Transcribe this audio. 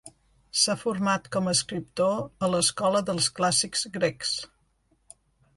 S'ha format com a escriptor a l'escola dels clàssics grecs.